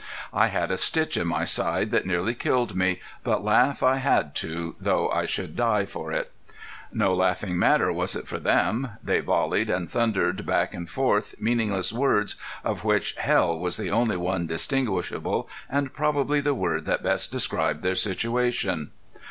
I had a stitch in my side that nearly killed me, but laugh I had to though I should die for it. No laughing matter was it for them. They volleyed and thundered back and forth meaningless words of which "hell" was the only one distinguishable, and probably the word that best described their situation.